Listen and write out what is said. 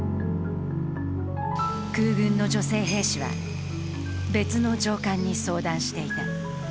空軍の女性兵士は、別の上官に相談していた。